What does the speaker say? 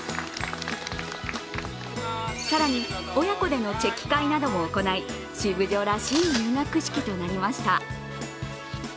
更に、親子でのチェキ会なども行いシブジョらしい入学式となりました。